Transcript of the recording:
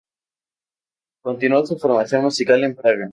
Continuó su formación musical en Praga.